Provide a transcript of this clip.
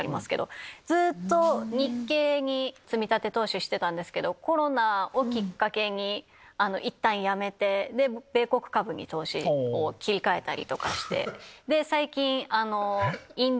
ずっと日経に積み立て投資してたんですけどコロナをきっかけにいったんやめて米国株に投資を切り替えたりとかして。